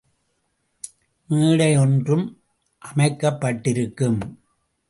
மேடை ஒன்றும் அமைக்கப்பட்டிருக்கும்.